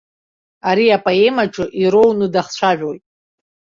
Ари апоемаҿы ироуны дахцәажәоит.